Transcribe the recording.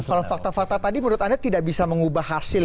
soal fakta fakta tadi menurut anda tidak bisa mengubah hasil